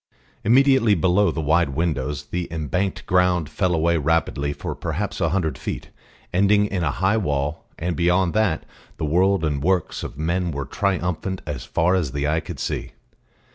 Immediately below the wide windows the embanked ground fell away rapidly for perhaps a hundred feet, ending in a high wall, and beyond that the world and works of men were triumphant as far as eye could see.